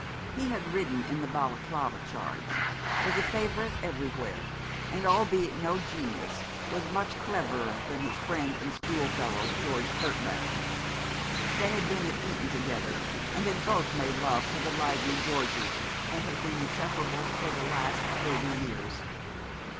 He had ridden in the Balaclava charge, was a favourite everywhere, and, albeit no genius, was much cleverer than his friend and school fellow, George Kirkbank. They had been at Eton together, had both made love to the lively Georgie, and had been inseparables for the last thirty years.